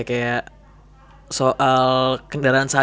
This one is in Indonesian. kayak soal kendaraan sehari hari